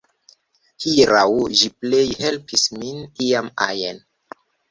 Hieraŭ, ĝi plej helpis min iam ajn